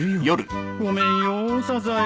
ごめんよサザエ。